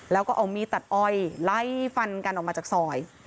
แล้วก็เอามีดตัดอ้อยไล่ฟันกันออกมาจากซอย